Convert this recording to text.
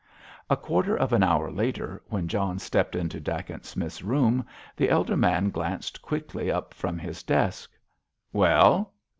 A quarter of an hour later, when John stepped into Dacent Smith's room, the elder man glanced quickly up from his desk. "Well?"